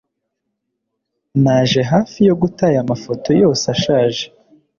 naje hafi yo guta aya mafoto yose ashaje